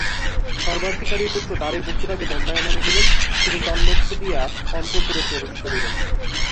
সর্বাধিকারীর পুত্র দ্বারের বহির্ভাগে দণ্ডায়মান রহিলেন তিনি তন্মধ্য দিয়া অন্তঃপুরে প্রবেশ করিলেন।